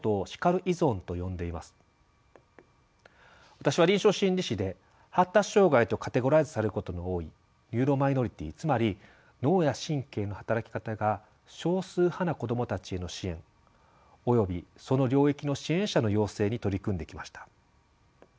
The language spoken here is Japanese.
私は臨床心理士で発達障害とカテゴライズされることの多いニューロマイノリティつまり脳や神経の働き方が少数派な子どもたちへの支援およびその領域の支援者の養成に取り組んできました。